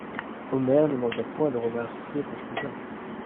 Omer ne manqua point de remercier son cousin.